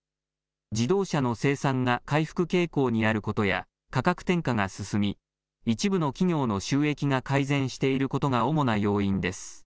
自動車の生産が回復傾向にあることや価格転嫁が進み一部の企業の収益が改善していることが主な要因です。